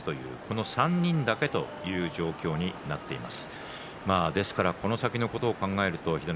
この３人だけという状況になっています。